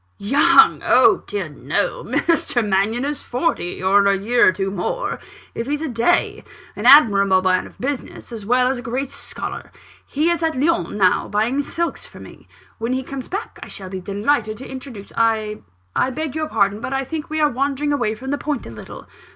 "Young! Oh, dear no! Mr. Mannion is forty, or a year or two more, if he's a day an admirable man of business, as well as a great scholar. He's at Lyons now, buying silks for me. When he comes back I shall be delighted to introduce " "I beg your pardon, but I think we are wandering away from the point, a little."